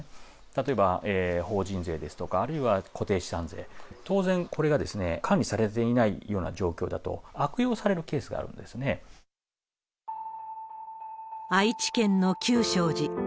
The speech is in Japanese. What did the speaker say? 例えば法人税ですとか、あるいは固定資産税、当然、これが管理されていないような状況だと悪用されるケースがあるん愛知県の久昌寺。